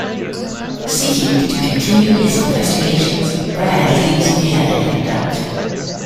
Seeking to continue his investigations, Brad leaves via an air duct.